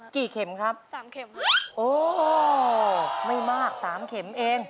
กี่เข็มครับ๓เข็มครับโอ้โฮไม่มาก๓เข็มเอง